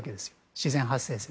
自然発生説。